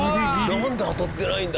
なんで当たってないんだ？